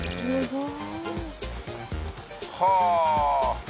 すごい！